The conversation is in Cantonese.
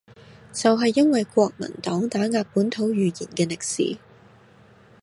就係因為國民黨打壓本土語言嘅歷史